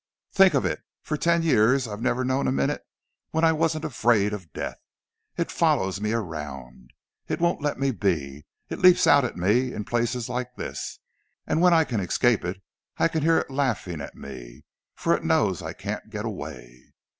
Think of it—for ten years I've never known a minute when I wasn't afraid of death! It follows me around—it won't let me be! It leaps out at me in places, like this! And when I escape it, I can hear it laughing at me—for it knows I can't get away!"